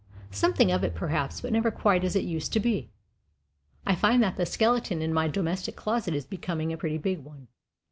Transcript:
Something of it, perhaps, but never quite as it used to be. I find that the skeleton in my domestic closet is becoming a pretty big one.